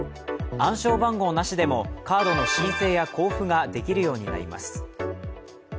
暗証番号なしでもカードの申請や交付ができるようになります。